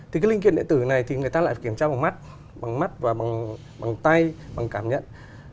thì cái linh kiện điện tử này thì người ta lại kiểm tra bằng mắt bằng tay bằng cảm nhận